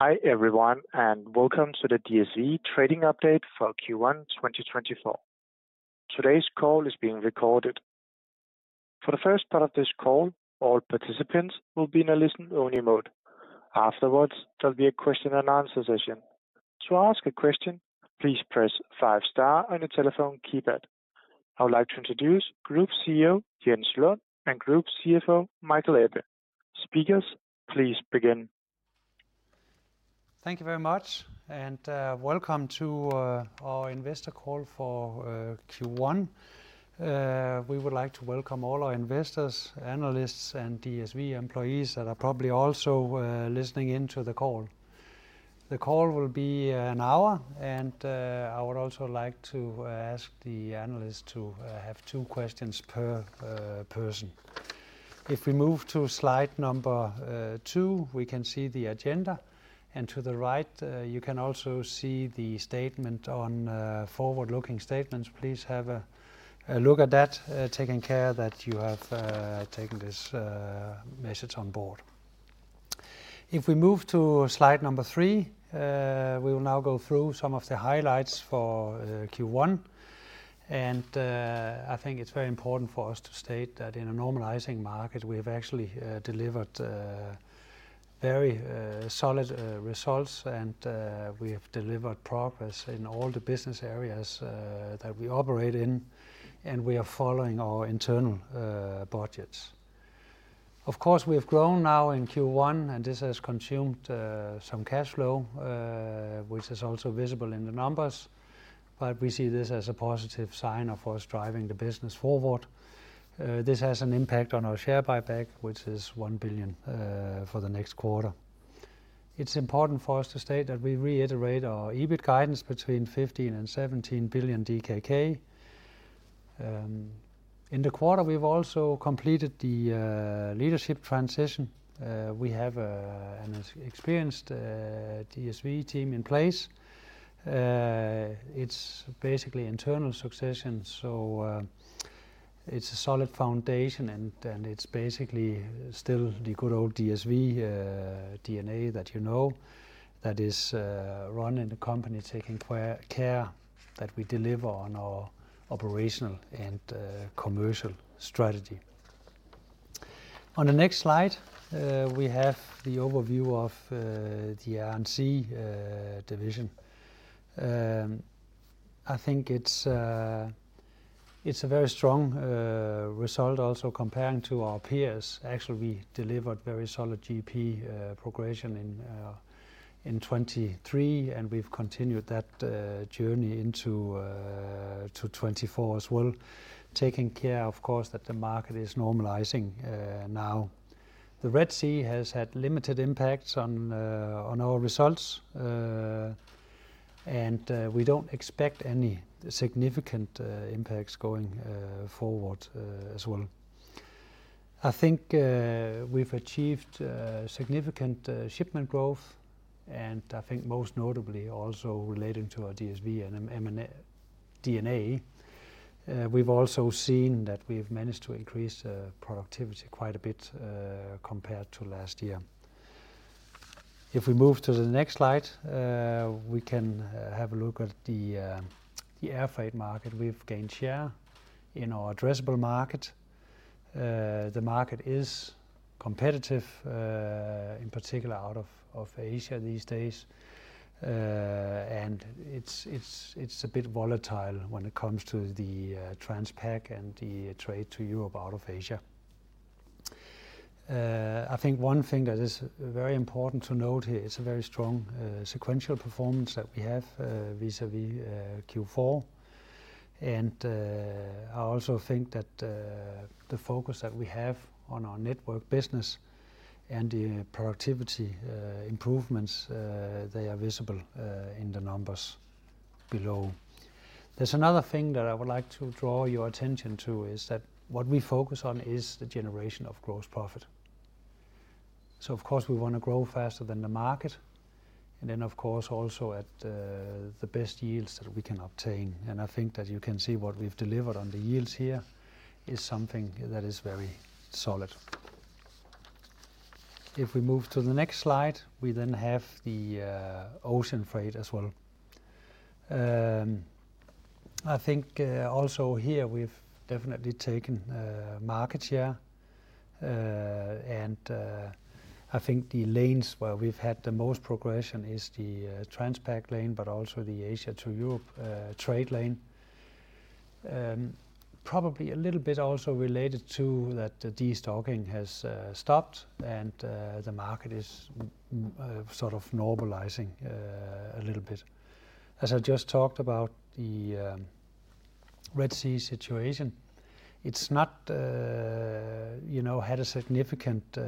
Hi, everyone, and welcome to the DSV Trading Update for Q1 2024. Today's call is being recorded. For the first part of this call, all participants will be in a listen-only mode. Afterwards, there'll be a question and answer session. To ask a question, please press five star on your telephone keypad. I would like to introduce Group CEO, Jens Lund, and Group CFO, Michael Ebbe. Speakers, please begin. Thank you very much, and welcome to our investor call for Q1. We would like to welcome all our investors, analysts, and DSV employees that are probably also listening in to the call. The call will be an hour, and I would also like to ask the analysts to have two questions per person. If we move to slide number two, we can see the agenda, and to the right you can also see the statement on forward-looking statements. Please have a look at that, taking care that you have taken this message on board. If we move to slide number 3, we will now go through some of the highlights for Q1, and I think it's very important for us to state that in a normalizing market, we have actually delivered very solid results, and we have delivered progress in all the business areas that we operate in, and we are following our internal budgets. Of course, we have grown now in Q1, and this has consumed some cash flow, which is also visible in the numbers, but we see this as a positive sign of us driving the business forward. This has an impact on our share buyback, which is 1 billion for the next quarter. It's important for us to state that we reiterate our EBIT guidance between 15 and 17 billion DKK. In the quarter, we've also completed the leadership transition. We have an experienced DSV team in place. It's basically internal succession, so it's a solid foundation, and it's basically still the good old DSV DNA that you know that is running the company, taking care that we deliver on our operational and commercial strategy. On the next slide, we have the overview of the Air and Sea division. I think it's a very strong result also comparing to our peers. Actually, we delivered very solid GP progression in 2023, and we've continued that journey into 2024 as well, taking care of course, that the market is normalizing now. The Red Sea has had limited impacts on our results, and we don't expect any significant impacts going forward, as well. I think we've achieved significant shipment growth, and I think most notably also relating to our DSV and M&A DNA, we've also seen that we've managed to increase productivity quite a bit compared to last year. If we move to the next slide, we can have a look at the air freight market. We've gained share in our addressable market. The market is competitive in particular out of Asia these days. And it's a bit volatile when it comes to the Transpac and the trade to Europe out of Asia. I think one thing that is very important to note here, it's a very strong sequential performance that we have vis-à-vis Q4, and I also think that the focus that we have on our network business and the productivity improvements they are visible in the numbers below. There's another thing that I would like to draw your attention to, is that what we focus on is the generation of gross profit. So of course, we wanna grow faster than the market, and then, of course, also at the best yields that we can obtain. And I think that you can see what we've delivered on the yields here is something that is very solid. If we move to the next slide, we then have the ocean freight as well. I think also here, we've definitely taken market share and I think the lanes where we've had the most progression is the Transpac lane, but also the Asia to Europe trade lane. Probably a little bit also related to that the destocking has stopped and the market is sort of normalizing a little bit. As I just talked about the Red Sea situation, it's not you know had a significant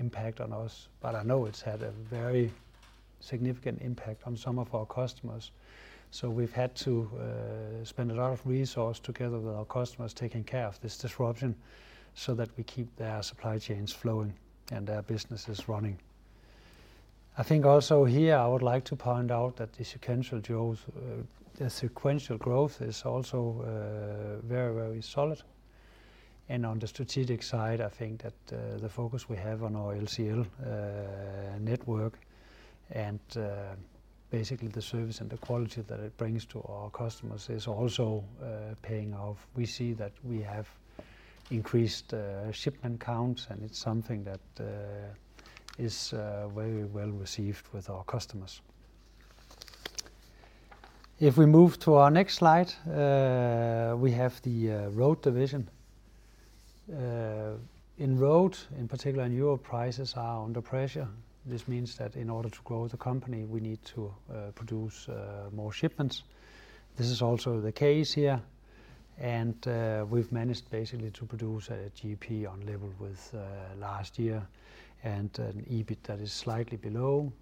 impact on us, but I know it's had a very significant impact on some of our customers. So we've had to spend a lot of resource together with our customers, taking care of this disruption, so that we keep their supply chains flowing and their businesses running. I think also here, I would like to point out that the sequential growth, the sequential growth is also very, very solid, and on the strategic side, I think that the focus we have on our LCL network and basically the service and the quality that it brings to our customers is also paying off. We see that we have increased shipment counts, and it's something that is very well-received with our customers. If we move to our next slide, we have the Road division. In Road, in particular in Europe, prices are under pressure. This means that in order to grow the company, we need to produce more shipments. This is also the case here, and we've managed basically to produce a GP on level with last year, and an EBIT that is slightly below.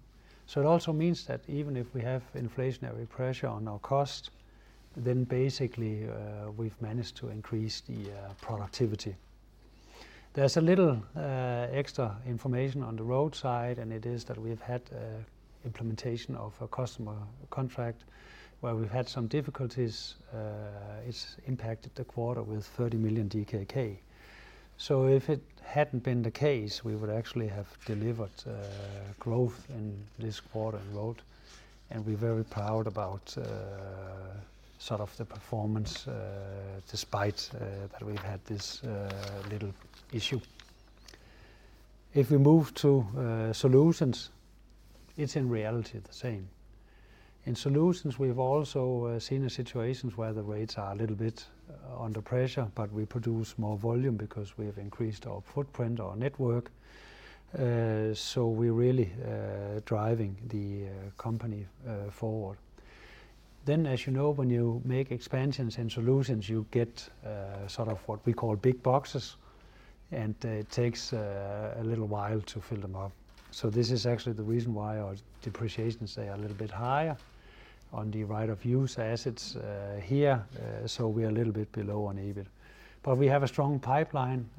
So it also means that even if we have inflationary pressure on our cost, then basically we've managed to increase the productivity. There's a little extra information on the Road side, and it is that we've had an implementation of a customer contract where we've had some difficulties. It's impacted the quarter with 30 million DKK. So if it hadn't been the case, we would actually have delivered growth in this quarter in Road, and we're very proud about sort of the performance despite that we've had this little issue. If we move to Solutions, it's in reality the same. In Solutions, we've also seen the situations where the rates are a little bit under pressure, but we produce more volume because we have increased our footprint, our network. So we're really driving the company forward. Then, as you know, when you make expansions in Solutions, you get sort of what we call big boxes, and it takes a little while to fill them up. So this is actually the reason why our depreciation, say, are a little bit higher on the right of use assets here. So we are a little bit below on EBIT. But we have a strong pipeline,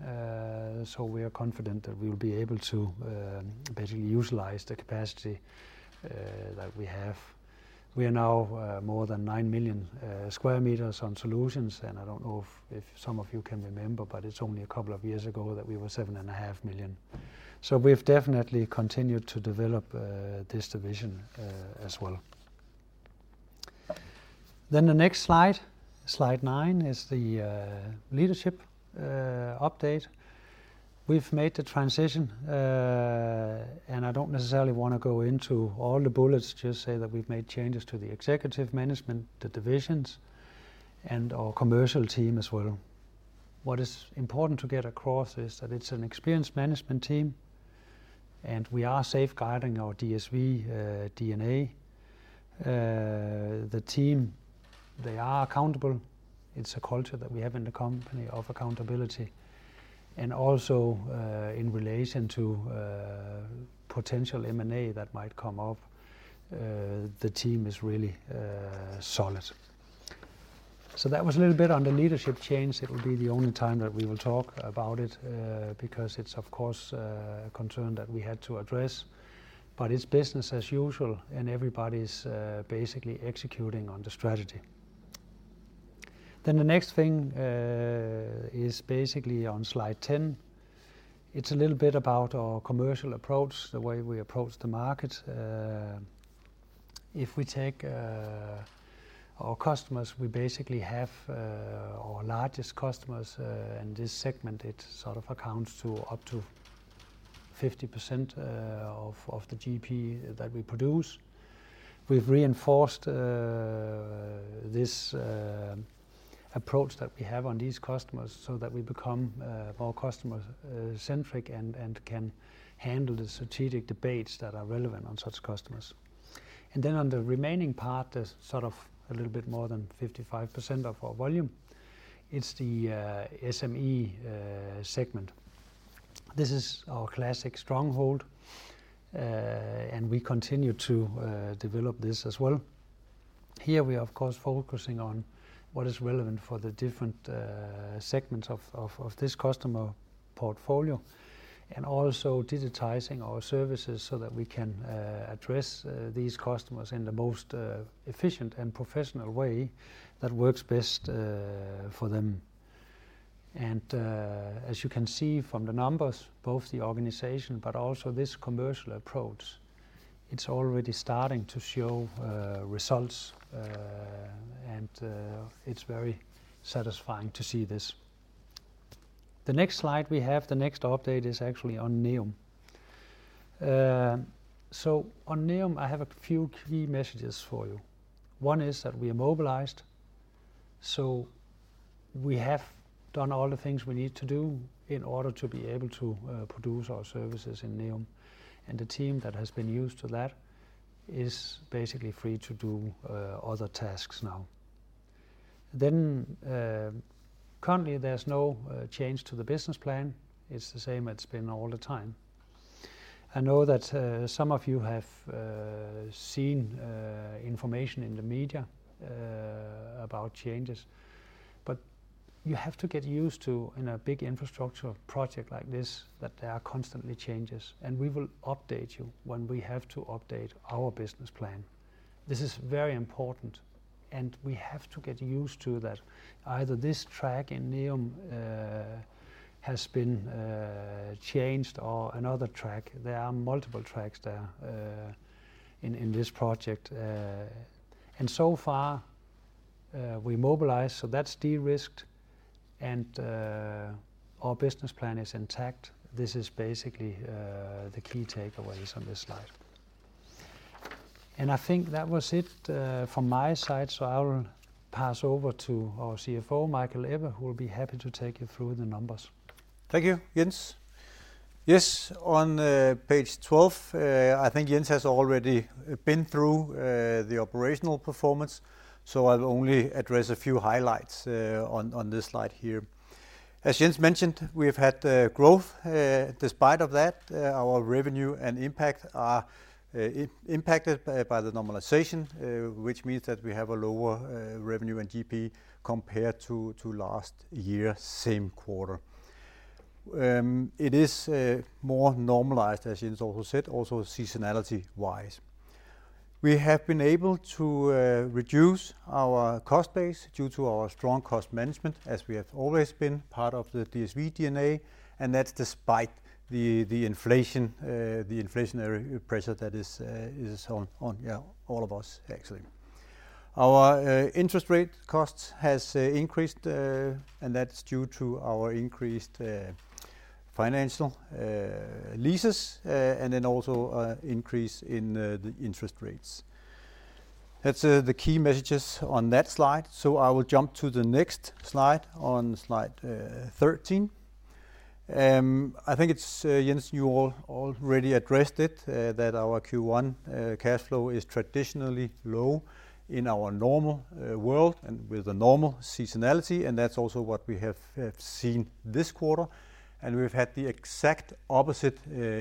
so we are confident that we will be able to basically utilize the capacity that we have. We are now more than 9 million square meters on Solutions, and I don't know if, if some of you can remember, but it's only a couple of years ago that we were 7.5 million. So we've definitely continued to develop this division as well. Then the next slide, slide 9, is the leadership update. We've made the transition, and I don't necessarily want to go into all the bullets, just say that we've made changes to the executive management, the divisions, and our commercial team as well. What is important to get across is that it's an experienced management team, and we are safeguarding our DSV DNA. The team, they are accountable. It's a culture that we have in the company of accountability, and also, in relation to, potential M&A that might come up, the team is really, solid. So that was a little bit on the leadership change. It will be the only time that we will talk about it, because it's of course, a concern that we had to address, but it's business as usual, and everybody's, basically executing on the strategy. Then the next thing, is basically on slide 10. It's a little bit about our commercial approach, the way we approach the market. If we take, our customers, we basically have, our largest customers, in this segment, it sort of accounts to up to 50%, of, of the GP that we produce. We've reinforced this approach that we have on these customers so that we become more customer-centric, and can handle the strategic debates that are relevant on such customers. Then on the remaining part, there's sort of a little bit more than 55% of our volume, it's the SME segment. This is our classic stronghold, and we continue to develop this as well. Here we are, of course, focusing on what is relevant for the different segments of this customer portfolio, and also digitizing our services so that we can address these customers in the most efficient and professional way that works best for them. As you can see from the numbers, both the organization but also this commercial approach, it's already starting to show, results, and, it's very satisfying to see this. The next slide we have, the next update, is actually on NEOM. So on NEOM, I have a few key messages for you. One is that we are mobilized, so we have done all the things we need to do in order to be able to, produce our services in NEOM, and the team that has been used to that is basically free to do, other tasks now. Currently, there's no, change to the business plan. It's the same it's been all the time. I know that, some of you have, seen, information in the media, about changes but you have to get used to, in a big infrastructure project like this, that there are constantly changes, and we will update you when we have to update our business plan. This is very important, and we have to get used to that, either this track in NEOM has been changed or another track. There are multiple tracks there in this project. And so far, we mobilized, so that's de-risked, and our business plan is intact. This is basically the key takeaways on this slide. And I think that was it from my side, so I will pass over to our CFO, Michael Ebbe, who will be happy to take you through the numbers. Thank you, Jens. Yes, on page 12, I think Jens has already been through the operational performance, so I'll only address a few highlights on this slide here. As Jens mentioned, we've had growth. Despite of that, our revenue and impact are impacted by the normalization, which means that we have a lower revenue and GP compared to last year, same quarter. It is more normalized, as Jens also said, also seasonality-wise. We have been able to reduce our cost base due to our strong cost management, as we have always been part of the DSV DNA, and that's despite the inflation, the inflationary pressure that is on all of us, actually. Our interest rate costs has increased, and that's due to our increased financial leases, and then also, an increase in the interest rates. That's the key messages on that slide, so I will jump to the next slide, on slide 13. I think it's Jens, you already addressed it, that our Q1 cash flow is traditionally low in our normal world and with the normal seasonality, and that's also what we have seen this quarter. And we've had the exact opposite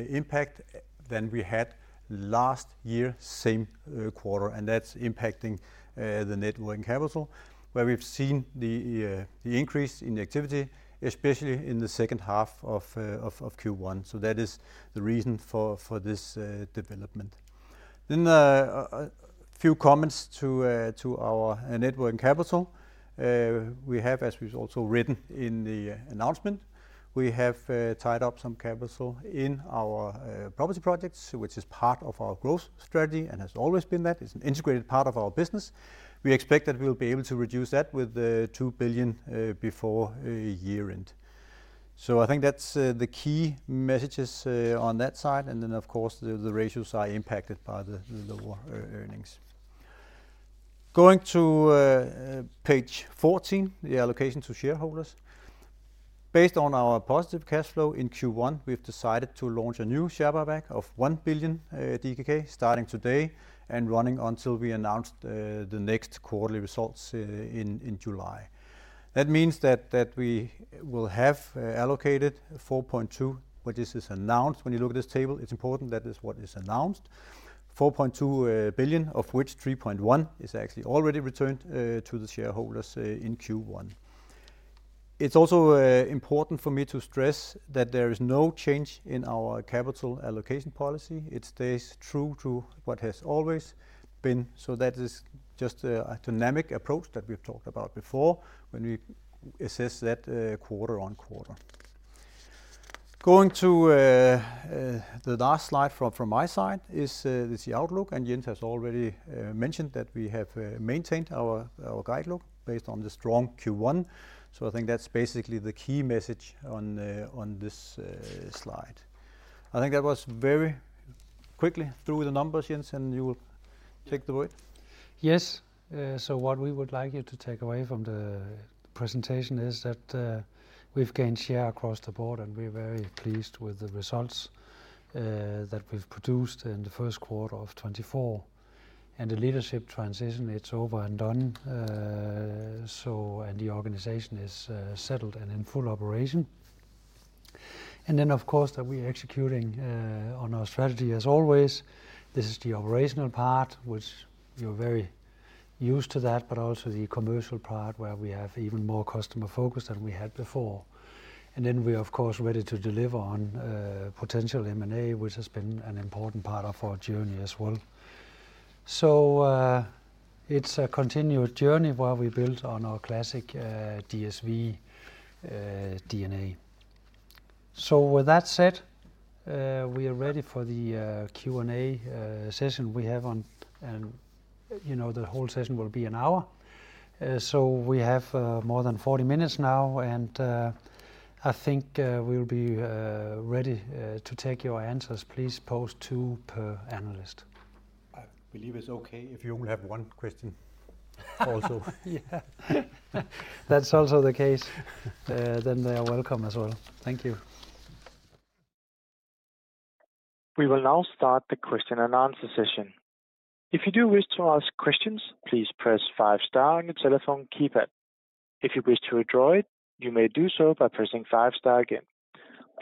impact than we had last year, same quarter, and that's impacting the net working capital, where we've seen the increase in activity, especially in the second half of Q1. So that is the reason for this development. Then, a few comments to our net working capital. We have, as we've also written in the announcement, tied up some capital in our property projects, which is part of our growth strategy and has always been that. It's an integrated part of our business. We expect that we'll be able to reduce that with 2 billion before year-end. So I think that's the key messages on that side, and then, of course, the ratios are impacted by the lower earnings. Going to page 14, the allocation to shareholders. Based on our positive cash flow in Q1, we've decided to launch a new share buyback of 1 billion DKK, starting today, and running until we announce the next quarterly results in July. That means that we will have allocated 4.2, but this is announced. When you look at this table, it's important that is what is announced. 4.2 billion, of which 3.1 billion is actually already returned to the shareholders in Q1. It's also important for me to stress that there is no change in our capital allocation policy. It stays true to what has always been, so that is just a dynamic approach that we've talked about before, when we assess that quarter-over-quarter. Going to the last slide from my side is the outlook, and Jens has already mentioned that we have maintained our guidance based on the strong Q1. So I think that's basically the key message on this slide. I think that was very quickly through the numbers, Jens, and you will take it away. Yes. So what we would like you to take away from the presentation is that, we've gained share across the board, and we're very pleased with the results that we've produced in the first quarter of 2024. And the leadership transition, it's over and done, so and the organization is settled and in full operation. And then, of course, that we're executing on our strategy as always. This is the operational part, which you're very used to that, but also the commercial part, where we have even more customer focus than we had before. And then we're of course, ready to deliver on potential M&A, which has been an important part of our journey as well. So, it's a continuous journey where we build on our classic DSV DNA. So with that said, we are ready for the Q&A session we have. And you know, the whole session will be an hour. So we have more than 40 minutes now, and I think we'll be ready to take your answers. Please post 2 per analyst. I believe it's okay if you only have one question also. Yeah. That's also the case, then they are welcome as well. Thank you. We will now start the question and answer session. If you do wish to ask questions, please press five star on your telephone keypad. If you wish to withdraw it, you may do so by pressing five star again.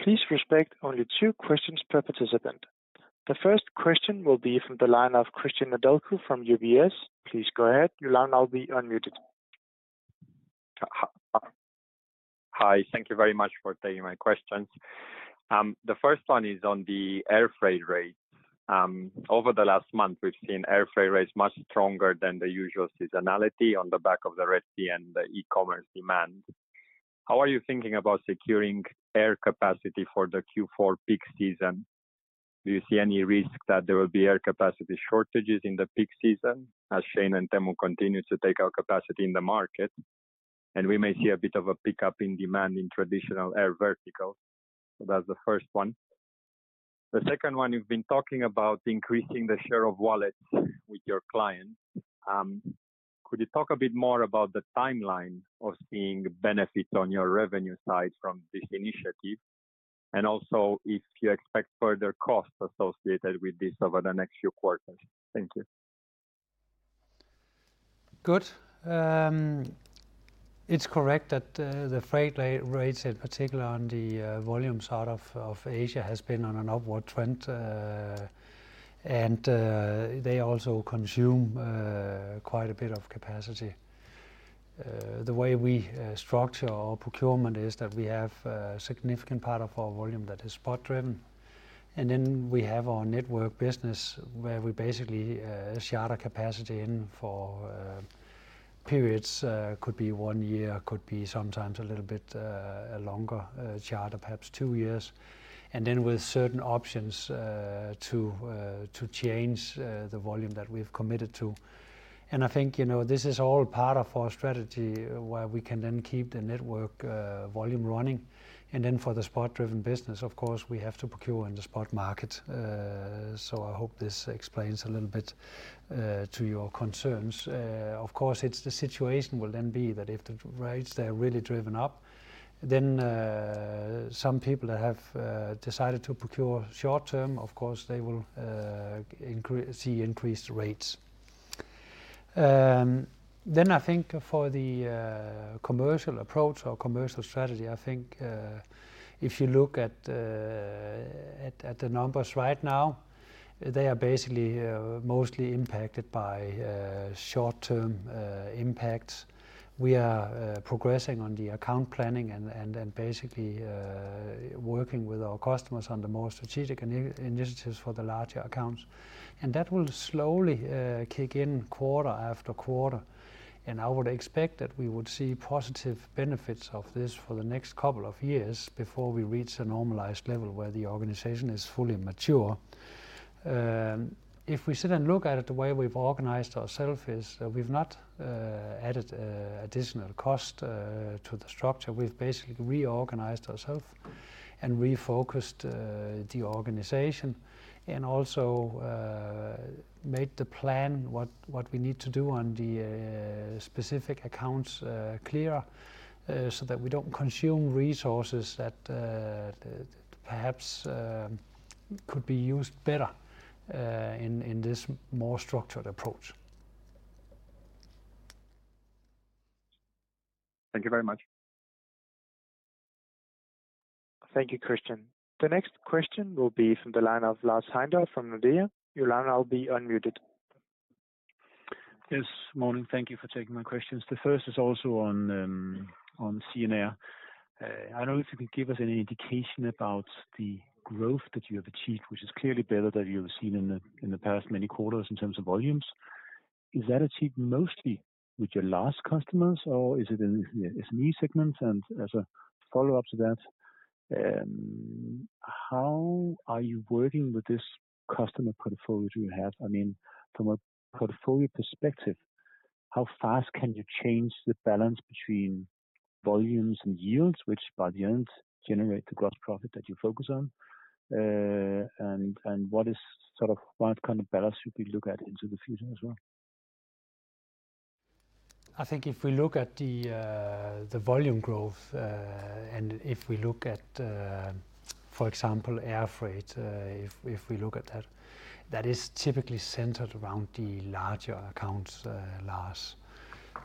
Please respect only two questions per participant. The first question will be from the line of Cristian Nedelcu from UBS. Please go ahead. Your line now will be unmuted. Hi, thank you very much for taking my questions. The first one is on the air freight rates. Over the last month, we've seen air freight rates much stronger than the usual seasonality on the back of the Red Sea and the e-commerce demand. How are you thinking about securing air capacity for the Q4 peak season? Do you see any risk that there will be air capacity shortages in the peak season, as Shein and Temu continues to take our capacity in the market, and we may see a bit of a pickup in demand in traditional air verticals? So that's the first one. The second one, you've been talking about increasing the share of wallets with your clients. Could you talk a bit more about the timeline of seeing benefits on your revenue side from this initiative? And also, if you expect further costs associated with this over the next few quarters? Thank you. Good. It's correct that the freight rates, in particular on the volume side of Asia, has been on an upward trend. And they also consume quite a bit of capacity. The way we structure our procurement is that we have a significant part of our volume that is spot-driven. And then we have our network business, where we basically charter capacity in for periods, could be one year, could be sometimes a little bit longer, charter perhaps two years. And then with certain options to change the volume that we've committed to. And I think, you know, this is all part of our strategy, where we can then keep the network volume running. And then for the spot-driven business, of course, we have to procure in the spot market. So I hope this explains a little bit to your concerns. Of course, the situation will then be that if the rates, they're really driven up, then some people that have decided to procure short term, of course, they will see increased rates. Then I think for the commercial approach or commercial strategy, I think, if you look at the numbers right now, they are basically mostly impacted by short-term impacts. We are progressing on the account planning and basically working with our customers on the more strategic initiatives for the larger accounts. And that will slowly kick in quarter-after-quarter. I would expect that we would see positive benefits of this for the next couple of years before we reach a normalized level, where the organization is fully mature. If we sit and look at it, the way we've organized ourself is, we've not added additional cost to the structure. We've basically reorganized ourself and refocused the organization, and also made the plan, what we need to do on the specific accounts, clearer, so that we don't consume resources that perhaps could be used better in this more structured approach. Thank you very much. Thank you, Christian. The next question will be from the line of Lars Heindorff from Nordea. Your line now will be unmuted. Yes, morning. Thank you for taking my questions. The first is also on Sea and Air. I don't know if you can give us any indication about the growth that you have achieved, which is clearly better than you've seen in the past many quarters in terms of volumes. Is that achieved mostly with your large customers, or is it in the SME segments? And as a follow-up to that, how are you working with this customer portfolio you have? I mean, from a portfolio perspective, how fast can you change the balance between volumes and yields, which by the end generate the gross profit that you focus on? And what kind of balance should we look at into the future as well? I think if we look at the volume growth, and if we look at, for example, air freight, if we look at that, that is typically centered around the larger accounts, Lars.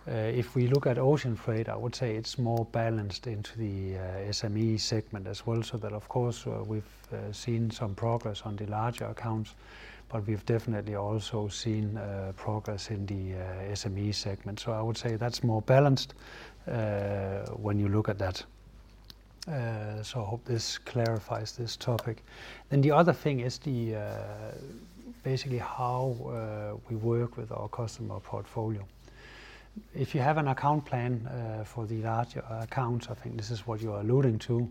If we look at ocean freight, I would say it's more balanced into the SME segment as well, so that, of course, we've seen some progress on the larger accounts, but we've definitely also seen progress in the SME segment. So I would say that's more balanced when you look at that. So I hope this clarifies this topic. Then the other thing is basically how we work with our customer portfolio. If you have an account plan, for the larger accounts, I think this is what you're alluding to,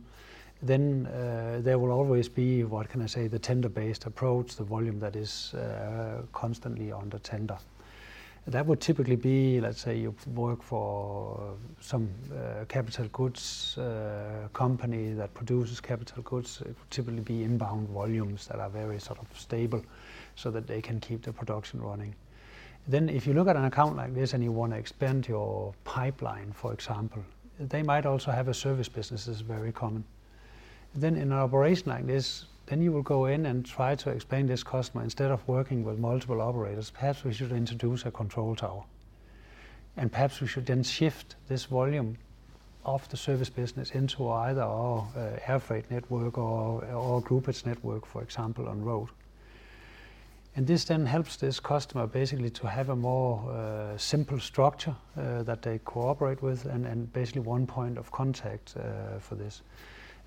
then, there will always be, what can I say, the tender-based approach, the volume that is, constantly under tender. That would typically be let's say, you work for some, capital goods, company that produces capital goods. It would typically be inbound volumes that are very sort of stable, so that they can keep the production running. Then, if you look at an account like this and you wanna expand your pipeline, for example, they might also have a service business, is very common. Then in an operation like this, then you will go in and try to expand this customer. Instead of working with multiple operators, perhaps we should introduce a control tower perhaps we should then shift this volume of the service business into either our air freight network or groupage network, for example, on road. This then helps this customer basically to have a more simple structure that they cooperate with, and basically one point of contact for this.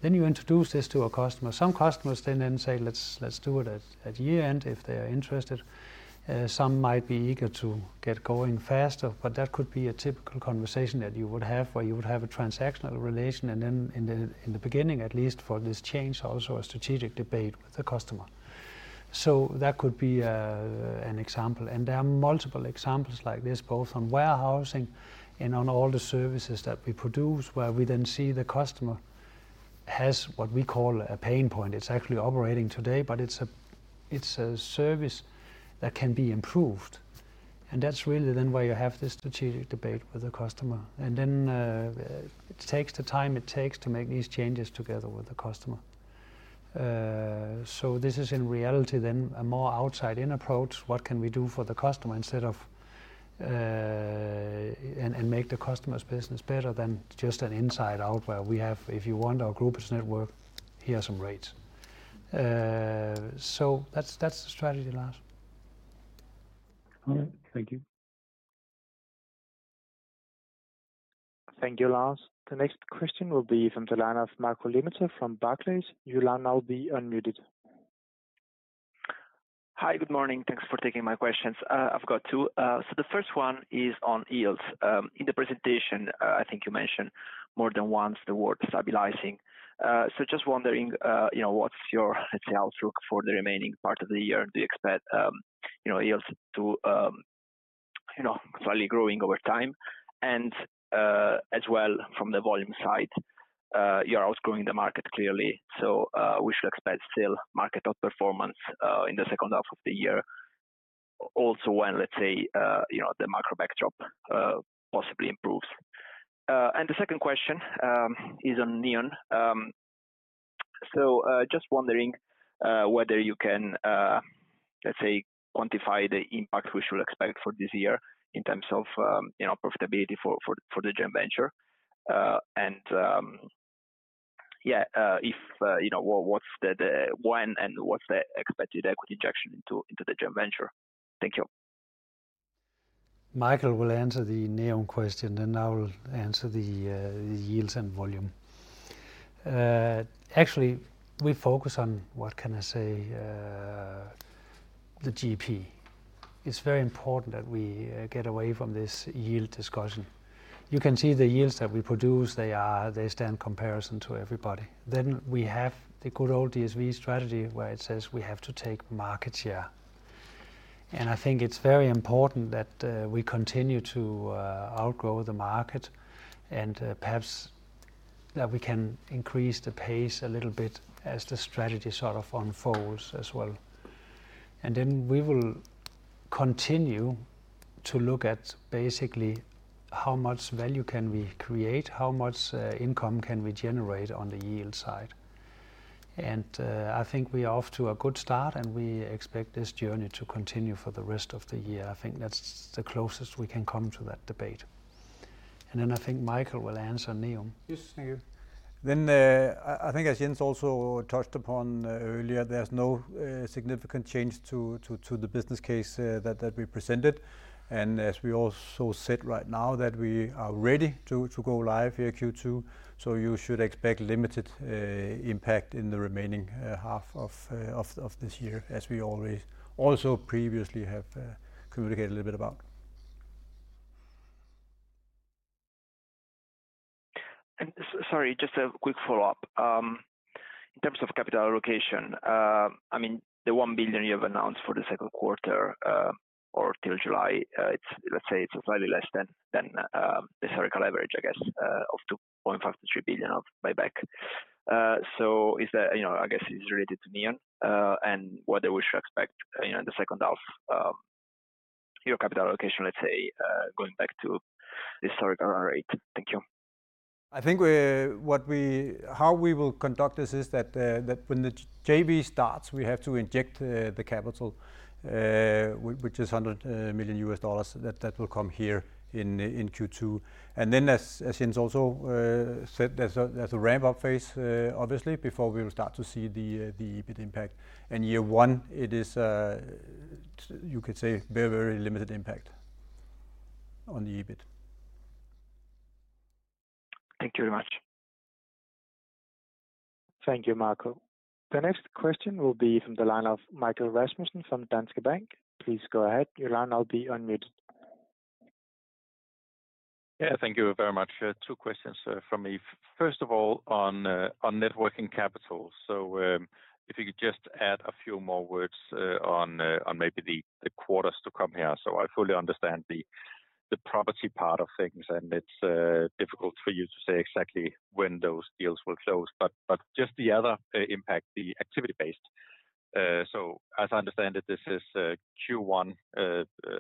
Then you introduce this to a customer. Some customers then say, "Let's do it at year-end," if they are interested. Some might be eager to get going faster, but that could be a typical conversation that you would have, where you would have a transactional relation, and then in the beginning at least, for this change, also a strategic debate with the customer. So that could be an example, and there are multiple examples like this, both on warehousing and on all the services that we produce, where we then see the customer has what we call a pain point. It's actually operating today, but it's a service that can be improved, and that's really then where you have the strategic debate with the customer. And then it takes the time it takes to make these changes together with the customer. So this is in reality then a more outside-in approach, what can we do for the customer, instead of... and make the customer's business better than just an inside-out, where we have, "If you want our group's network, here are some rates." So that's the strategy, Lars. All right. Thank you. Thank you, Lars. The next question will be from the line of Marco Limite from Barclays. You'll now be unmuted. Hi, good morning. Thanks for taking my questions. I've got two. So the first one is on yields. In the presentation, I think you mentioned more than once the word stabilizing. So just wondering, you know, what's your, let's say, outlook for the remaining part of the year? Do you expect, you know, yields to, you know, slowly growing over time? And, as well, from the volume side, you are outgrowing the market clearly, so we should expect still market outperformance, in the second half of the year. Also, when let's say, you know, the macro backdrop, possibly improves. And the second question is on NEOM. So, just wondering whether you can, let's say, quantify the impact we should expect for this year in terms of, you know, profitability for the joint venture. And, yeah, if you know, what's the... when and what's the expected equity injection into the joint venture? Thank you. Michael will answer the NEOM question, then I will answer the, the yields and volume. Actually, we focus on, what can I say, the GP. It's very important that we get away from this yield discussion. You can see the yields that we produce, they are. They stand in comparison to everybody. Then we have the good old DSV strategy, where it says we have to take market share. And I think it's very important that we continue to outgrow the market, and perhaps that we can increase the pace a little bit as the strategy sort of unfolds as well. And then we will continue to look at basically, how much value can we create? How much income can we generate on the yield side? I think we are off to a good start, and we expect this journey to continue for the rest of the year. I think that's the closest we can come to that debate. Then I think Michael will answer NEOM. Yes, thank you. Then, I think as Jens also touched upon earlier, there's no significant change to the business case that we presented. And as we also said right now, that we are ready to go live here Q2, so you should expect limited impact in the remaining half of this year, as we already also previously have communicated a little bit about. Sorry, just a quick follow-up. In terms of capital allocation, I mean, the 1 billion you have announced for the second quarter, or till July, it's, let's say it's slightly less than the historical average I guess, of 2.5 billion-3 billion of buyback. So is that, you know, I guess it's related to NEOM, and whether we should expect, in the second half, your capital allocation, let's say, going back to historic RR rate? Thank you. I think, what how we will conduct this is that, that when the JV starts, we have to inject, the capital, which is $100 million, that will come here in Q2. And then, as Jens also said, there's a ramp-up phase, obviously, before we will start to see the EBIT impact. In year one, it is, you could say, very very limited impact on the EBIT. Thank you very much. Thank you, Marco. The next question will be from the line of Michael Rasmussen from Danske Bank. Please go ahead. Your line will now be unmuted. Yeah, thank you very much. Two questions from me. First of all, on net working capital. So, if you could just add a few more words on maybe the quarters to come here. So I fully understand the property part of things, and it's difficult for you to say exactly when those deals will close, but just the other impact, the activity based. So as I understand it, this is Q1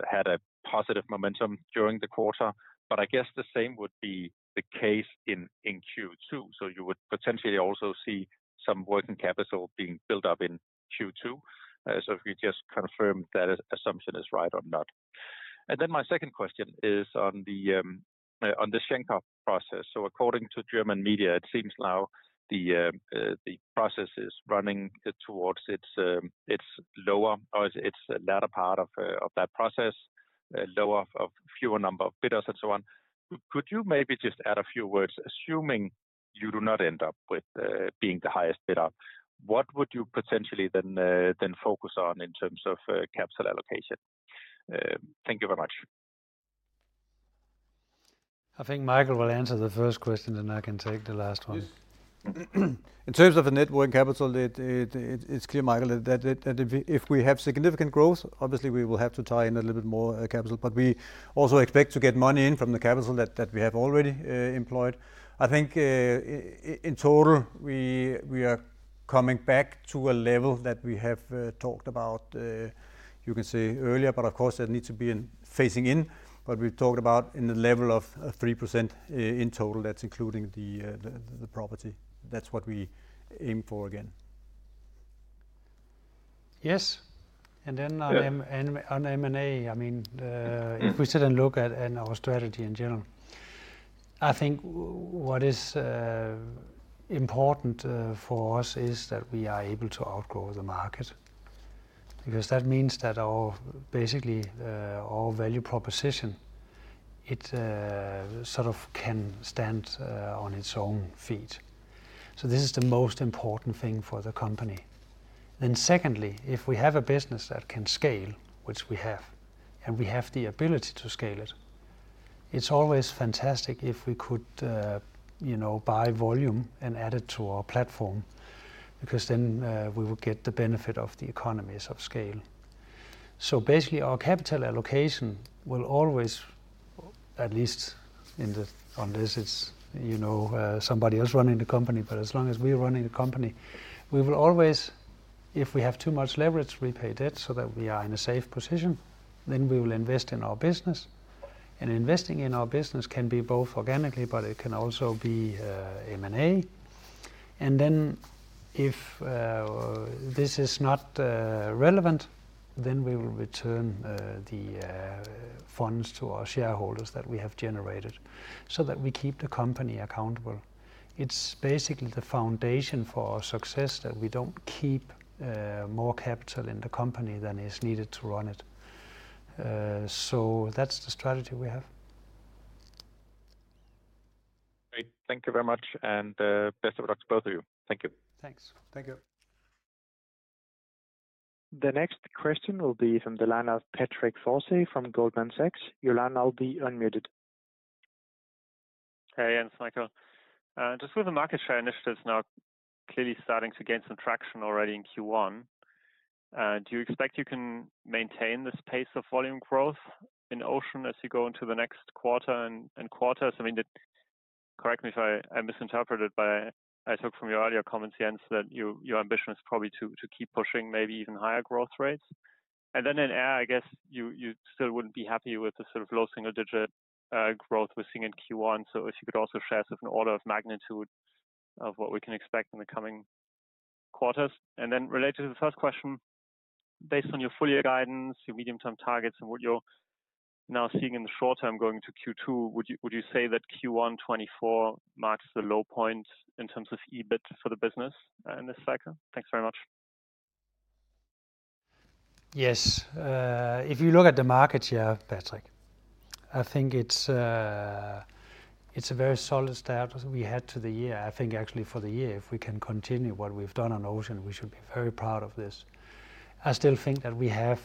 had a positive momentum during the quarter, but I guess the same would be the case in Q2, so you would potentially also see some working capital being built up in Q2. So if you could just confirm if that assumption is right or not? And then my second question is on the Schenker process. So according to German media, it seems now the process is running towards its lower or its latter part of that process, lower of fewer number of bidders and so on. Could you maybe just add a few words, assuming you do not end up with being the highest bidder, what would you potentially then focus on in terms of capital allocation? Thank you very much. I think Michael will answer the first question, then I can take the last one. Yes. In terms of the net working capital, it's clear, Michael, that if we have significant growth, obviously we will have to tie in a little bit more capital. But we also expect to get money in from the capital that we have already employed. I think, in total, we are coming back to a level that we have talked about, you can say earlier, but of course, that needs to be in phasing in. But we've talked about in the level of 3% in total, that's including the property. That's what we aim for again. Yes. And then on M&A, I mean, if we sit and look at and our strategy in general, I think what is important for us is that we are able to outgrow the market. Because that means that our basically our value proposition it sort of can stand on its own feet. So this is the most important thing for the company. Then secondly, if we have a business that can scale, which we have, and we have the ability to scale it, it's always fantastic if we could you know buy volume and add it to our platform, because then we will get the benefit of the economies of scale. So basically, our capital allocation will always, at least in the unless it's, you know, somebody else running the company, but as long as we're running the company, we will always, if we have too much leverage, repay debt so that we are in a safe position, then we will invest in our business. And investing in our business can be both organically, but it can also be M&A. And then, if this is not relevant, then we will return the funds to our shareholders that we have generated, so that we keep the company accountable. It's basically the foundation for our success, that we don't keep more capital in the company than is needed to run it. So that's the strategy we have. Great. Thank you very much, and best of luck to both of you. Thank you. Thanks. Thank you. The next question will be from the line of Patrick Creuset from Goldman Sachs. Your line now be unmuted. Hey, Jens, Michael. Just with the market share initiatives now clearly starting to gain some traction already in Q1, do you expect you can maintain this pace of volume growth in ocean as you go into the next quarter and quarters? I mean, correct me if I misinterpreted, but I took from your earlier comments, Jens, that your ambition is probably to keep pushing maybe even higher growth rates. And then in air, I guess, you still wouldn't be happy with the sort of low single digit growth we're seeing in Q1. So if you could also share sort of an order of magnitude of what we can expect in the coming quarters. Then related to the first question, based on your full year guidance, your medium-term targets, and what you're now seeing in the short term going to Q2, would you, would you say that Q1 2024 marks the low point in terms of EBIT for the business, in this cycle? Thanks very much. Yes. If you look at the markets yeah, Patrick, I think it's, it's a very solid start we had to the year. I think actually for the year, if we can continue what we've done on Ocean, we should be very proud of this. I still think that we have,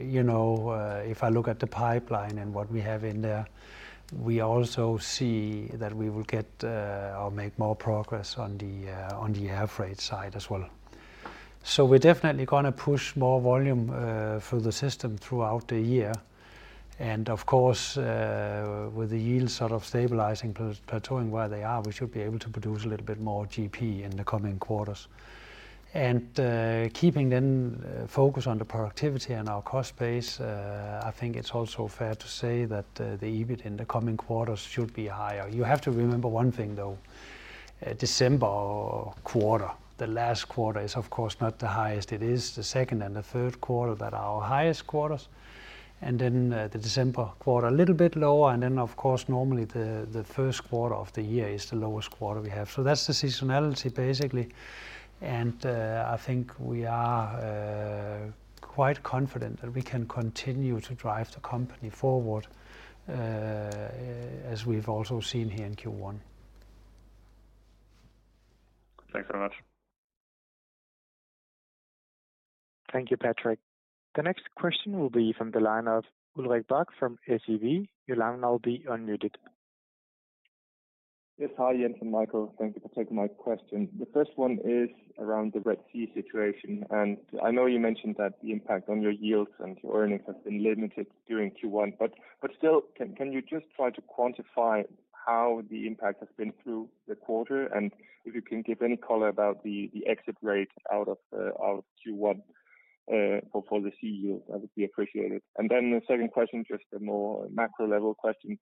you know, if I look at the pipeline and what we have in there, we also see that we will get, or make more progress on the, on the air freight side as well. So we're definitely gonna push more volume, through the system throughout the year. And of course, with the yields sort of stabilizing, plateauing where they are, we should be able to produce a little bit more GP in the coming quarters. Keeping the focus on the productivity and our cost base, I think it's also fair to say that the EBIT in the coming quarters should be higher. You have to remember one thing, though. December quarter, the last quarter, is of course not the highest. It is the second and the third quarter that are our highest quarters, and then the December quarter, a little bit lower. Then, of course, normally, the first quarter of the year is the lowest quarter we have. So that's the seasonality, basically, and I think we are quite confident that we can continue to drive the company forward, as we've also seen here in Q1. Thanks very much. Thank you, Patrick. The next question will be from the line of Ulrik Bak from SEB. Your line now be unmuted. Yes. Hi, Jens and Michael, thank you for taking my question. The first one is around the Red Sea situation, and I know you mentioned that the impact on your yields and your earnings has been limited during Q1, but still, can you just try to quantify how the impact has been through the quarter? And if you can give any color about the exit rate out of Q1 for the sea yield, that would be appreciated. And then the second question, just a more macro-level question,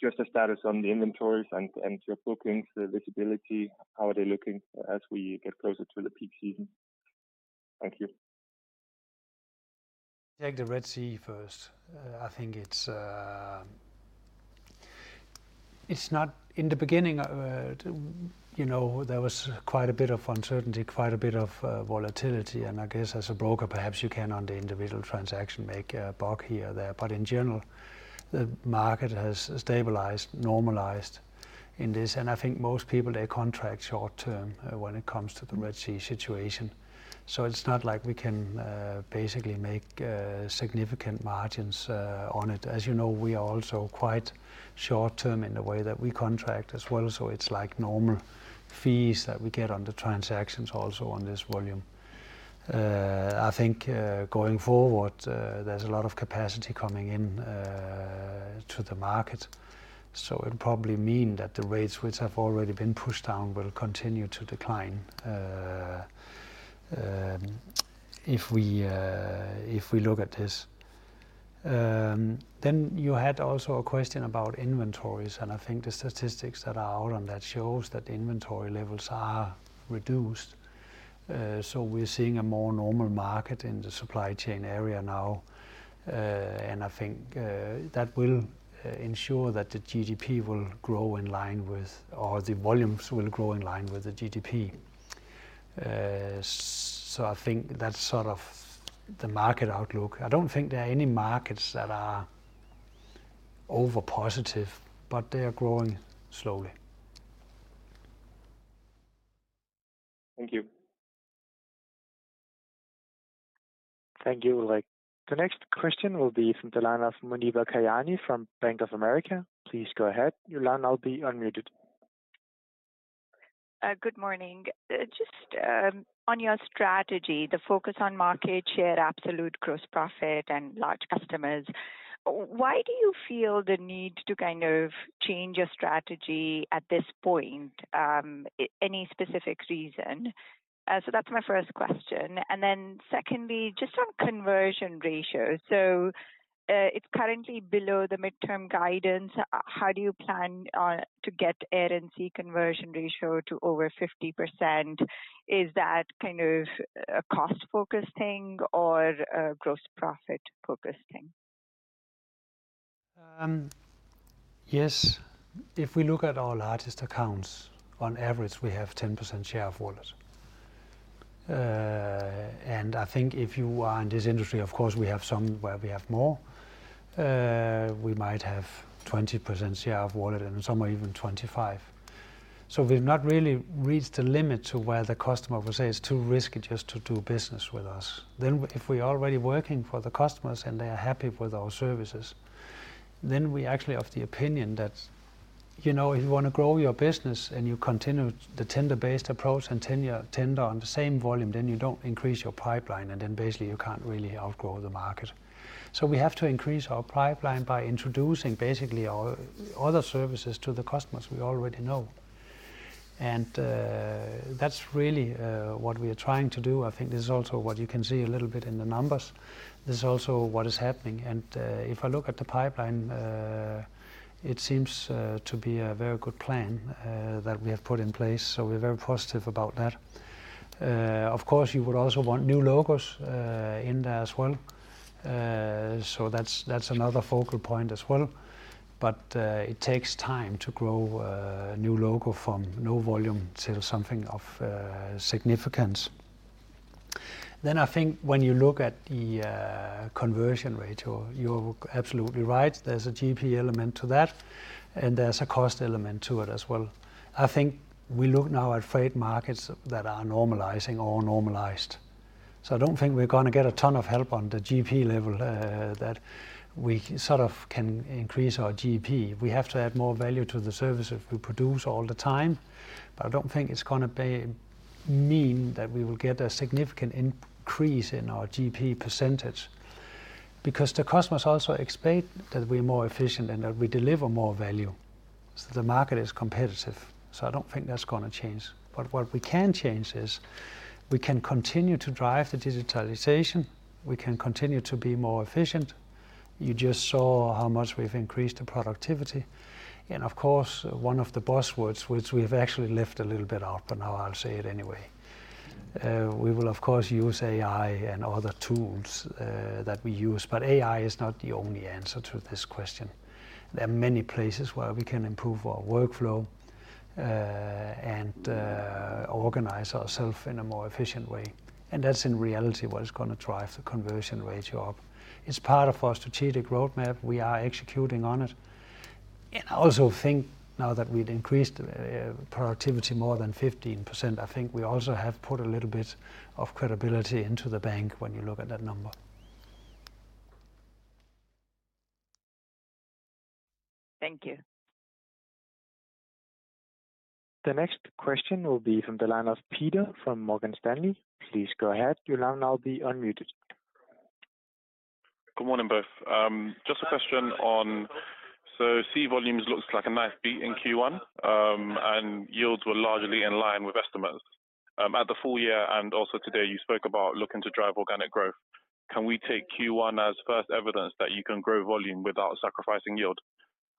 just a status on the inventories and your bookings, the visibility, how are they looking as we get closer to the peak season? Thank you. Take the Red Sea first. I think it's not. In the beginning, you know, there was quite a bit of uncertainty, quite a bit of volatility, and I guess as a broker, perhaps you can, on the individual transaction, make a buck here or there. But in general, the market has stabilized, normalized in this, and I think most people, they contract short term when it comes to the Red Sea situation. So it's not like we can basically make significant margins on it. As you know, we are also quite short term in the way that we contract as well. So it's like normal fees that we get on the transactions also on this volume. I think going forward, there's a lot of capacity coming in to the market. So it'll probably mean that the rates which have already been pushed down will continue to decline, if we look at this. Then you had also a question about inventories, and I think the statistics that are out on that shows that the inventory levels are reduced. So we're seeing a more normal market in the supply chain area now. And I think that will ensure that the GDP will grow in line with... or the volumes will grow in line with the GDP. So I think that's sort of the market outlook. I don't think there are any markets that are over positive, but they are growing slowly. Thank you. Thank you, Ulrich. The next question will be from the line of Muneeba Kayani from Bank of America. Please go ahead. You'll now be unmuted. Good morning. Just on your strategy, the focus on market share, absolute gross profit, and large customers, why do you feel the need to kind of change your strategy at this point? Any specific reason? So that's my first question. And then secondly, just on conversion ratio. So, it's currently below the midterm guidance. How do you plan on to get air and sea conversion ratio to over 50%? Is that kind of a cost-focused thing or a gross profit-focused thing? Yes, if we look at our largest accounts, on average, we have 10% share of wallet. And I think if you are in this industry, of course, we have somewhere we have more. We might have 20% share of wallet and in some way, even 25%. So we've not really reached a limit to where the customer will say it's too risky just to do business with us. Then if we're already working for the customers, and they are happy with our services, then we actually have the opinion that, you know, if you wanna grow your business and you continue the tender-based approach and tenure tender on the same volume, then you don't increase your pipeline, and then basically, you can't really outgrow the market. So we have to increase our pipeline by introducing basically our other services to the customers we already know. And that's really what we are trying to do. I think this is also what you can see a little bit in the numbers. This is also what is happening. And if I look at the pipeline, it seems to be a very good plan that we have put in place, so we're very positive about that. Of course, you would also want new logos in there as well. So that's, that's another focal point as well. But it takes time to grow a new logo from no volume to something of significance. Then, I think when you look at the conversion ratio, you're absolutely right, there's a GP element to that, and there's a cost element to it as well. I think we look now at freight markets that are normalizing or normalized. So I don't think we're gonna get a ton of help on the GP level that we sort of can increase our GP. We have to add more value to the services we produce all the time, but I don't think it's gonna mean that we will get a significant increase in our GP percentage. Because the customers also expect that we're more efficient and that we deliver more value. So the market is competitive, so I don't think that's gonna change. But what we can change is, we can continue to drive the digitalization, we can continue to be more efficient. You just saw how much we've increased the productivity. And of course, one of the buzzwords, which we've actually left a little bit out, but now I'll say it anyway. We will, of course, use AI and other tools that we use, but AI is not the only answer to this question. There are many places where we can improve our workflow, and organize ourself in a more efficient way, and that's in reality, what is gonna drive the conversion ratio up. It's part of our strategic roadmap. We are executing on it. And I also think now that we've increased productivity more than 15%, I think we also have put a little bit of credibility into the bank when you look at that number. Thank you. The next question will be from the line of Peter from Morgan Stanley. Please go ahead. You'll now be unmuted. Good morning, both. Just a question on... So sea volumes looks like a nice beat in Q1, and yields were largely in line with estimates. At the full year, and also today, you spoke about looking to drive organic growth. Can we take Q1 as first evidence that you can grow volume without sacrificing yield?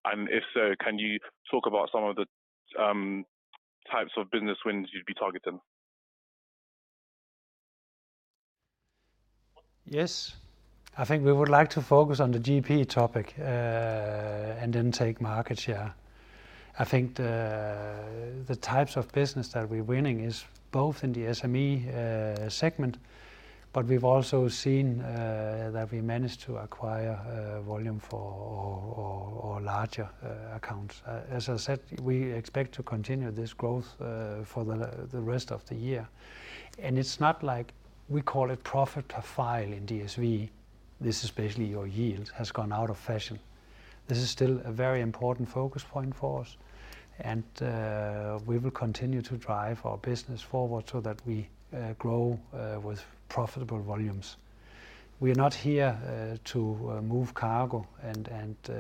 And if so, can you talk about some of the types of business wins you'd be targeting? Yes. I think we would like to focus on the GP topic, and then take market share. I think the types of business that we're winning is both in the SME segment, but we've also seen that we managed to acquire volume for larger accounts. As I said, we expect to continue this growth for the rest of the year. And it's not like we call it profit per file in DSV. This, especially your yields, has gone out of fashion. This is still a very important focus point for us, and we will continue to drive our business forward so that we grow with profitable volumes. We are not here to move cargo and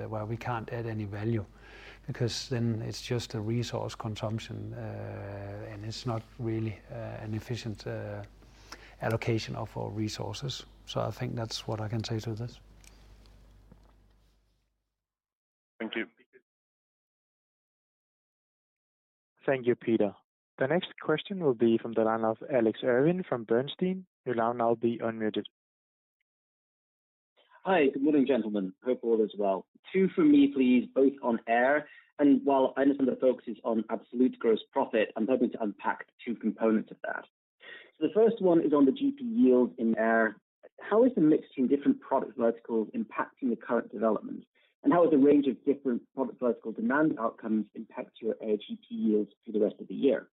where we can't add any value, because then it's just a resource consumption, and it's not really an efficient allocation of our resources. So I think that's what I can say to this. Thank you. Thank you, Peter. The next question will be from the line of Alex Irving from Bernstein. You'll now be unmuted. Hi, good morning, gentlemen. Hope all is well. two from me, please, both on air, and while I understand the focus is on absolute gross profit, I'm hoping to unpack two components of that. So the first one is on the GP yield in air. How is the mix between different product verticals impacting the current development? And how is the range of different product vertical demand outcomes impact your air GP yields through the rest of the year?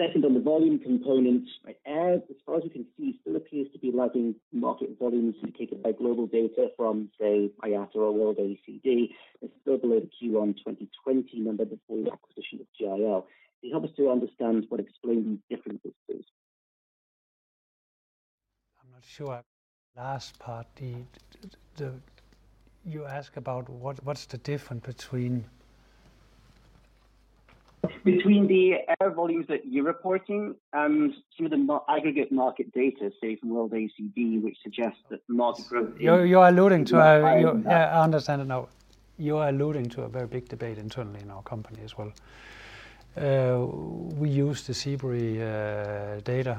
Second, on the volume components, right, air, as far as we can see, still appears to be lagging market volumes indicated by global data from say, IATA or WorldACD. It's still below the Q1 2020 number before the acquisition of Panalpina. Can you help us to understand what explains these different differences? I'm not sure I... Last part, you ask about what, what's the difference between- Between the air volumes that you're reporting and through the aggregate market data say, from World ACD, which suggests that market growth- You're alluding to a, Yeah, I understand it now. You're alluding to a very big debate internally in our company as well. We use the Seabury data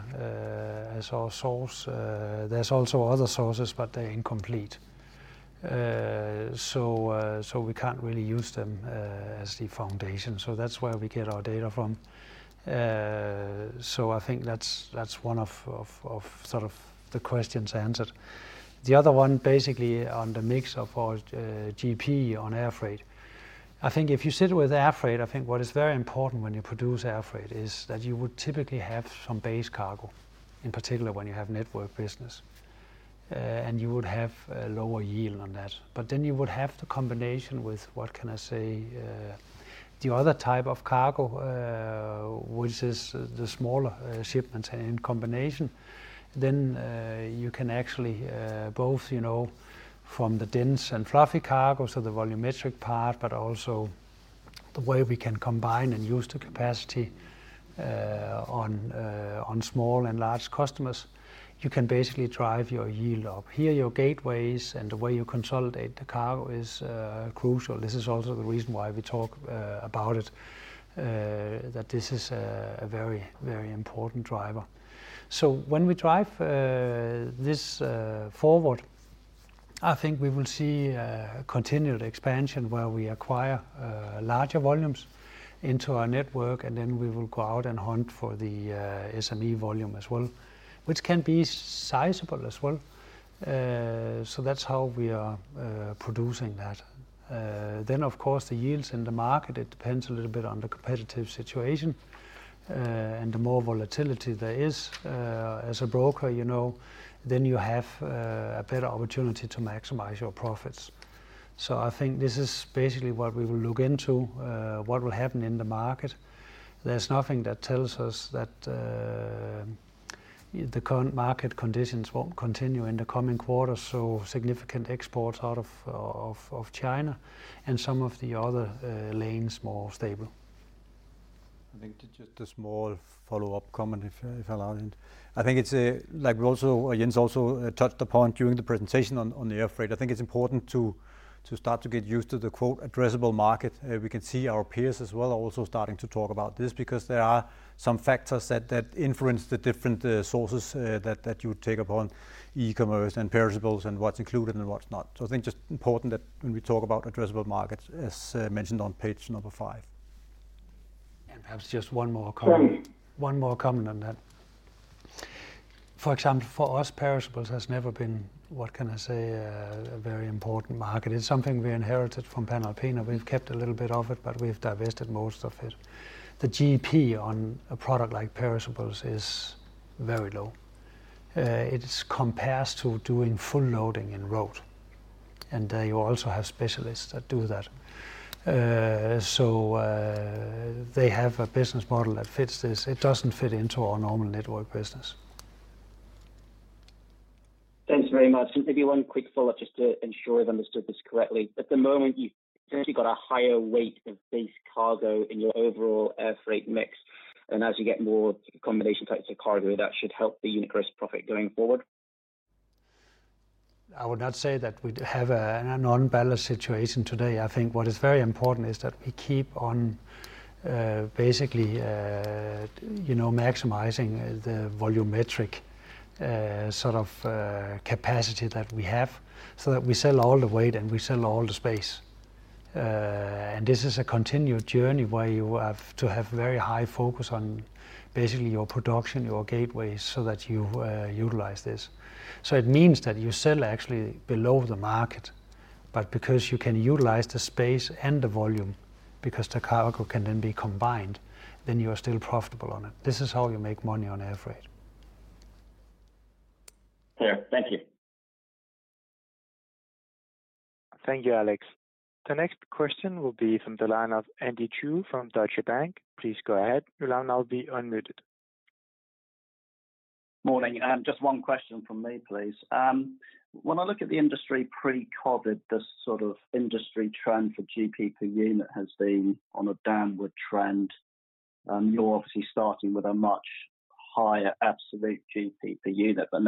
as our source. There's also other sources, but they're incomplete. So we can't really use them as the foundation, so that's where we get our data from. So I think that's one of the questions answered. The other one, basically on the mix of our GP on air freight. I think if you sit with air freight, I think what is very important when you produce air freight is that you would typically have some base cargo, in particular, when you have network business. And you would have a lower yield on that. But then you would have the combination with, what can I say, the other type of cargo, which is the smaller shipments in combination. Then you can actually both, you know, from the dense and fluffy cargo, so the volumetric part, but also the way we can combine and use the capacity on small and large customers. You can basically drive your yield up. Here, your gateways and the way you consolidate the cargo is crucial. This is also the reason why we talk about it, that this is a very, very important driver. So when we drive this forward, I think we will see continued expansion where we acquire larger volumes into our network, and then we will go out and hunt for the SME volume as well, which can be sizable as well. So that's how we are producing that. Then, of course, the yields in the market, it depends a little bit on the competitive situation, and the more volatility there is, as a broker, you know, then you have a better opportunity to maximize your profits. So I think this is basically what we will look into, what will happen in the market. There's nothing that tells us that the current market conditions won't continue in the coming quarters, so significant exports out of China and some of the other lanes more stable. I think just a small follow-up comment, if I, if allowed. I think it's, like we also, Jens also touched upon during the presentation on the air freight. I think it's important to start to get used to the, quote, "addressable market." We can see our peers as well are also starting to talk about this, because there are some factors that influence the different sources that you take upon e-commerce and perishables and what's included and what's not. So I think just important that when we talk about addressable markets, as mentioned on page number five. Perhaps just one more comment. Sure. One more comment on that. For example, for us perishables has never been, what can I say, a very important market. It's something we inherited from Panalpina. We've kept a little bit of it, but we've divested most of it. The GP on a product like perishables is very low. It compares to doing full loading in road, and you also have specialists that do that. So, they have a business model that fits this. It doesn't fit into our normal network business. Thanks very much. And maybe one quick follow-up just to ensure I've understood this correctly. At the moment, you've essentially got a higher weight of base cargo in your overall air freight mix, and as you get more combination types of cargo, that should help the unit gross profit going forward? I would not say that we have an unbalanced situation today. I think what is very important is that we keep on basically you know maximizing the volumetric sort of capacity that we have, so that we sell all the weight and we sell all the space. And this is a continued journey where you have to have very high focus on basically your production, your gateways, so that you utilize this. So it means that you sell actually below the market, but because you can utilize the space and the volume, because the cargo can then be combined, then you are still profitable on it. This is how you make money on air freight. Clear. Thank you. Thank you, Alex. The next question will be from the line of Andy Chu from Deutsche Bank. Please go ahead. Your line is now being unmuted. Morning. Just one question from me, please. When I look at the industry pre-COVID, this sort of industry trend for GP per unit has been on a downward trend. You're obviously starting with a much higher absolute GP per unit, but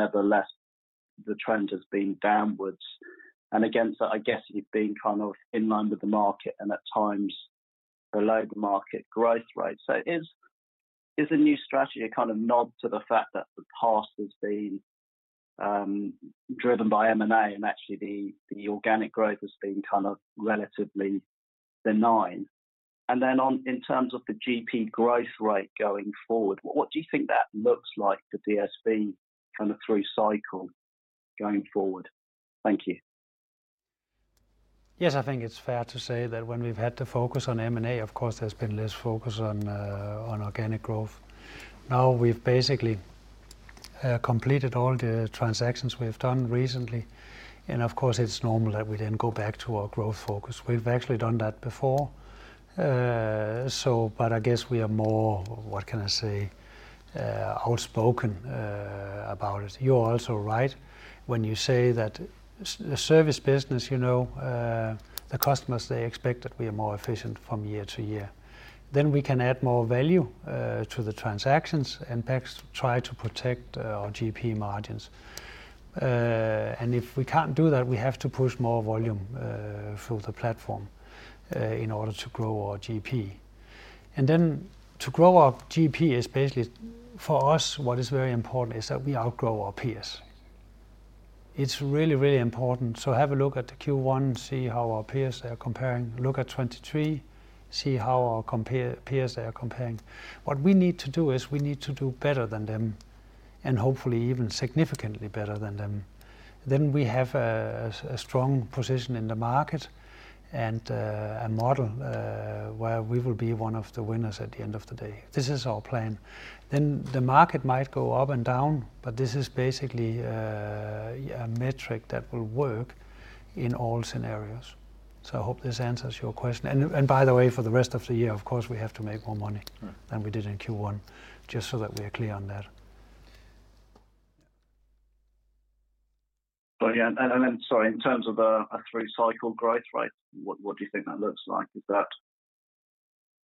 nevertheless, the trend has been downwards. And against that, I guess you've been kind of in line with the market and at times below the market growth rate. So is the new strategy a kind of nod to the fact that the past has been driven by M&A, and actually, the organic growth has been kind of relatively benign? And then, in terms of the GP growth rate going forward, what do you think that looks like for DSV, kind of through cycle going forward? Thank you. Yes, I think it's fair to say that when we've had to focus on M&A, of course, there's been less focus on organic growth. Now, we've basically completed all the transactions we have done recently, and of course, it's normal that we then go back to our growth focus. We've actually done that before. So but I guess we are more, what can I say, outspoken about it. You are also right when you say that the service business, you know, the customers, they expect that we are more efficient from year to year. Then we can add more value to the transactions and perhaps try to protect our GP margins. And if we can't do that, we have to push more volume through the platform in order to grow our GP. To grow our GP is basically, for us, what is very important is that we outgrow our peers. It's really, really important. So have a look at the Q1, see how our peers are comparing. Look at 2023, see how our peers are comparing. What we need to do is we need to do better than them, and hopefully, even significantly better than them. Then we have a strong position in the market and a model where we will be one of the winners at the end of the day. This is our plan. Then the market might go up and down, but this is basically, yeah, a metric that will work in all scenarios. So I hope this answers your question. By the way, for the rest of the year, of course, we have to make more money than we did in Q1, just so that we are clear on that. But yeah, and then, sorry, in terms of a through cycle growth rate, what do you think that looks like? Is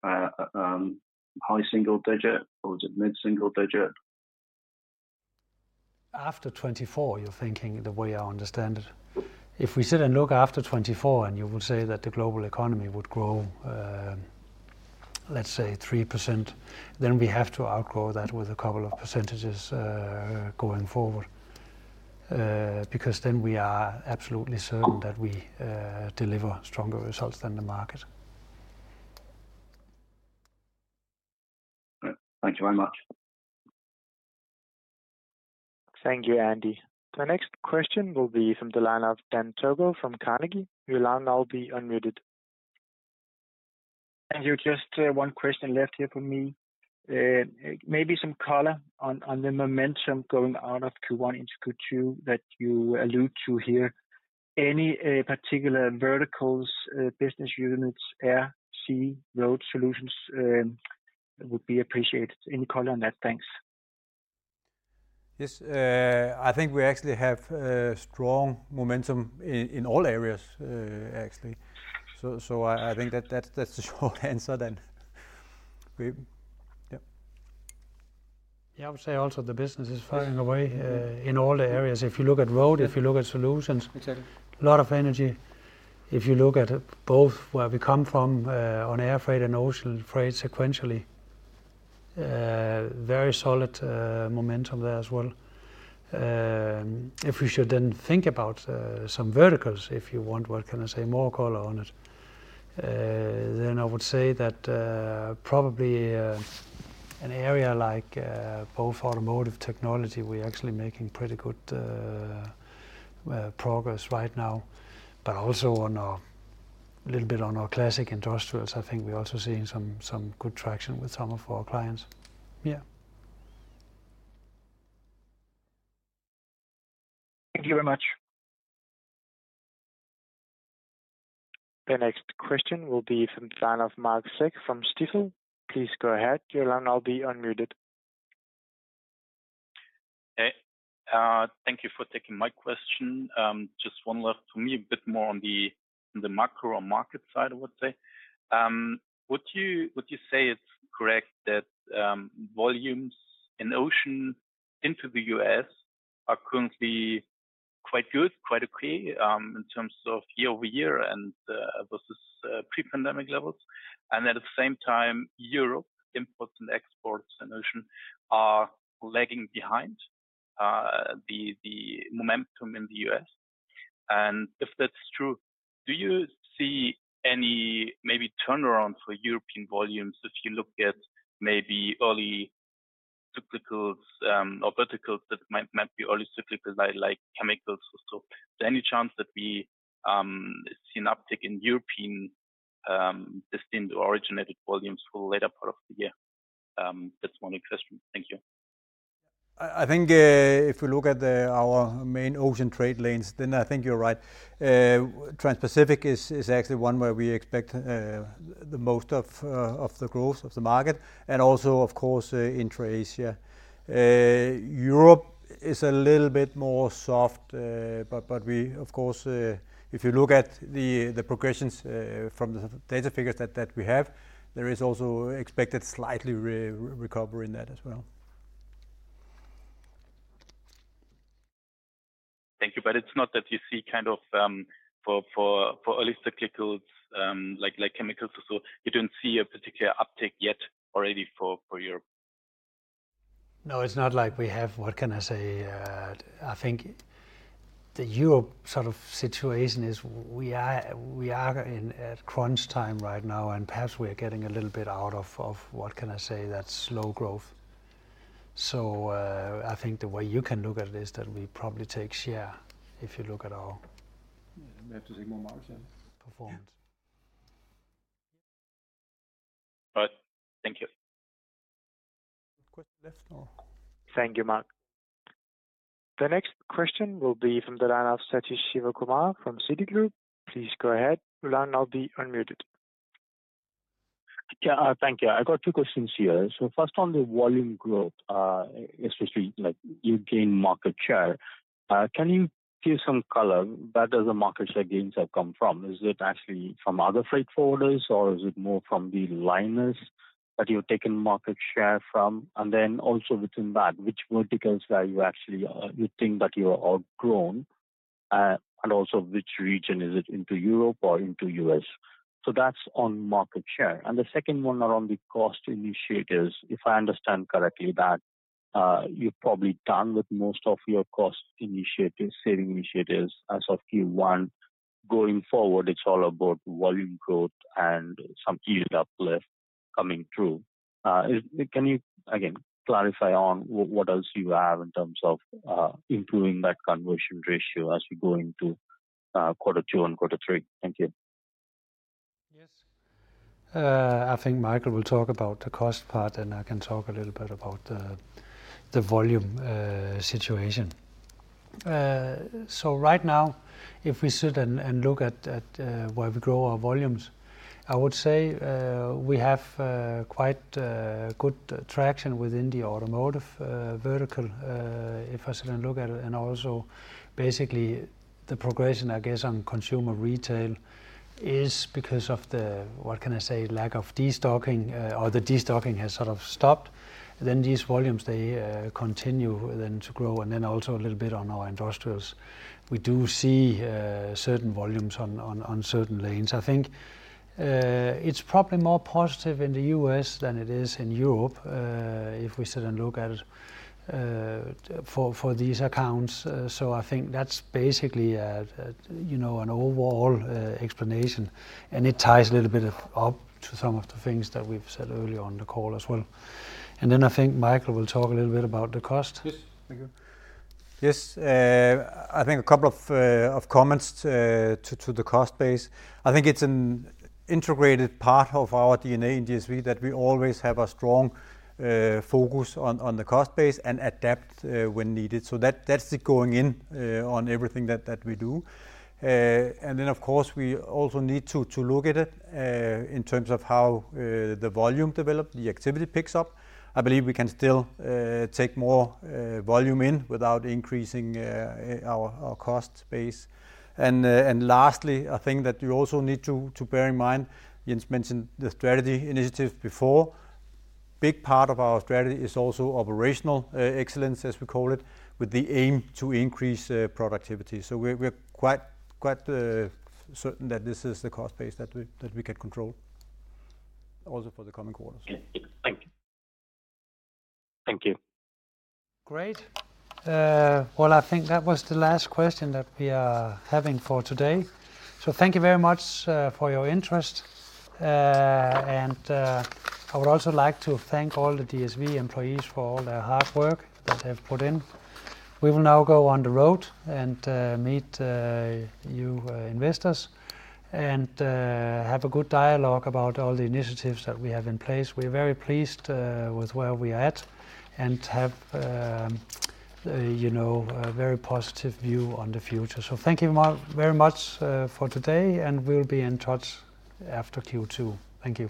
that high single digit, or is it mid-single digit? After 2024, you're thinking, the way I understand it. If we sit and look after 2024, and you will say that the global economy would grow, let's say 3%, then we have to outgrow that with a couple of percentages, going forward. Because then we are absolutely certain that we deliver stronger results than the market. Great. Thank you very much. Thank you, Andy. The next question will be from the line of Dan Togo from Carnegie. You'll now be unmuted. Thank you. Just one question left here for me. Maybe some color on the momentum going out of Q1 into Q2 that you allude to here. Any particular verticals, business units, air, sea, road solutions would be appreciated. Any color on that? Thanks. Yes. I think we actually have strong momentum in all areas actually. So I think that that's the short answer then. Yeah. Yeah, I would say also the business is firing away in all the areas. If you look at road, if you look at solutions. Exactly. Lot of energy. If you look at both where we come from on air freight and ocean freight sequentially, very solid momentum there as well. If we should then think about some verticals, if you want, what can I say, more color on it, then I would say that probably an area like both automotive technology, we're actually making pretty good progress right now. But also on our little bit on our classic industrials, I think we're also seeing some good traction with some of our clients. Yeah. Thank you very much. The next question will be from the line of Marc Zeck from Stifel. Please go ahead. Your line now be unmuted. Hey, thank you for taking my question. Just one left for me. A bit more on the macro or market side, I would say. Would you say it's correct that volumes in ocean into the U.S. are currently quite good, quite okay, in terms of year-over-year and versus pre-pandemic levels? And at the same time, Europe imports and exports in ocean are lagging behind the momentum in the U.S. And if that's true, do you see any maybe turnaround for European volumes if you look at maybe early cyclicals or verticals that might not be early cyclicals, like chemicals or so? Is there any chance that we see an uptick in European distinct originating volumes for latter part of the year? That's one question. Thank you. I think if we look at our main ocean trade lanes, then I think you're right. Transpacific is actually one where we expect the most of the growth of the market, and also, of course, intra-Asia. Europe is a little bit more soft, but we of course if you look at the projections from the data figures that we have, there is also expected slight recovery in that as well. Thank you. But it's not that you see kind of for early cyclicals like chemicals or so, you don't see a particular uptick yet already for Europe? No, it's not like we have... What can I say? I think the Europe sort of situation is we are, we are in a crunch time right now, and perhaps we are getting a little bit out of, of, what can I say, that slow growth. So, I think the way you can look at it is that we probably take share if you look at our- We have to take more market share.... performance. All right. Thank you. Thank you, Marc. The next question will be from the line of Sathish Sivakumar from Citigroup. Please go ahead. Your line now be unmuted. Yeah, thank you. I got two questions here. So first, on the volume growth, especially like you gain market share, can you give some color, where does the market share gains have come from? Is it actually from other freight forwarders, or is it more from the liners that you're taking market share from? And then also within that, which verticals are you actually, you think that you are outgrown, and also which region is it, into Europe or into US? So that's on market share. And the second one are on the cost initiatives. If I understand correctly, that, you're probably done with most of your cost initiatives, saving initiatives, as of Q1. Going forward, it's all about volume growth and some yield uplift coming through. Can you again clarify on what, what else you have in terms of improving that conversion ratio as we go into quarter two and quarter three? Thank you. Yes. I think Michael will talk about the cost part, and I can talk a little bit about the volume situation. So right now, if we sit and look at where we grow our volumes, I would say we have quite good traction within the automotive vertical, if I sit and look at it. And also basically, the progression, I guess, on consumer retail is because of the, what can I say, lack of destocking, or the destocking has sort of stopped. Then these volumes, they continue then to grow. And then also a little bit on our industrials. We do see certain volumes on certain lanes. I think it's probably more positive in the US than it is in Europe, if we sit and look at it, for these accounts. So I think that's basically a you know an overall explanation, and it ties a little bit up to some of the things that we've said earlier on the call as well. And then I think Michael will talk a little bit about the cost. Yes. Thank you. Yes, I think a couple of comments to the cost base. I think it's an integrated part of our DNA in DSV, that we always have a strong focus on the cost base and adapt when needed. So that's it going in on everything that we do. And then, of course, we also need to look at it in terms of how the volume develop, the activity picks up. I believe we can still take more volume in without increasing our cost base. And lastly, I think that you also need to bear in mind, Jens mentioned the strategy initiative before. Big part of our strategy is also operational excellence, as we call it, with the aim to increase productivity. We're quite certain that this is the cost base that we can control, also for the coming quarters. Thank you. Thank you. Great. Well, I think that was the last question that we are having for today. So thank you very much for your interest. And I would also like to thank all the DSV employees for all their hard work that they've put in. We will now go on the road and meet you investors and have a good dialogue about all the initiatives that we have in place. We're very pleased with where we are at and have you know a very positive view on the future. So thank you very much for today, and we'll be in touch after Q2. Thank you.